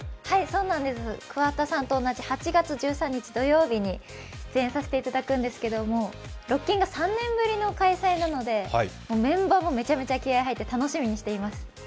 そうなんです桑田さんと同じ８月１３日土曜日に出演させていただくんですけれども、ロッキンが３年ぶりの開催なのでメンバーもめちゃめちゃ気合いが入って楽しみにしています。